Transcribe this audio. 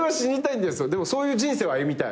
でもそういう人生を歩みたい。